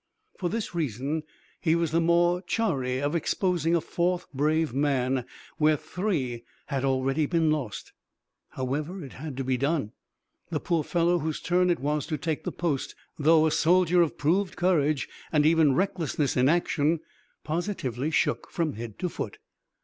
For this reason he was the more chary of exposing a fourth brave man where three had already been lost. However, it had to be done. The poor fellow whose turn it was to take the post, though a soldier of proved courage and even recklessness in action, positively shook from head to foot.